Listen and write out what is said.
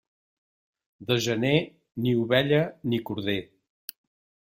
De gener, ni ovella ni corder.